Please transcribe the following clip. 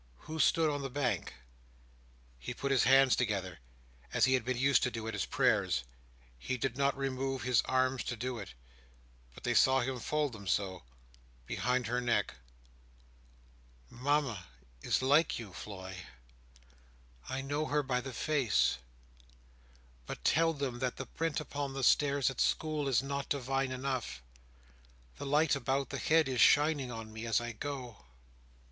Who stood on the bank?— He put his hands together, as he had been used to do at his prayers. He did not remove his arms to do it; but they saw him fold them so, behind her neck. "Mama is like you, Floy. I know her by the face! But tell them that the print upon the stairs at school is not divine enough. The light about the head is shining on me as I go!"